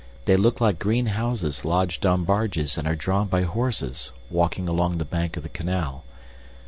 They look like green houses lodged on barges and are drawn by horses walking along the bank of the canal.